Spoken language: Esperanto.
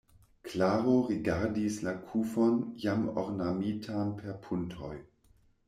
Klaro rigardis la kufon jam ornamitan per puntoj.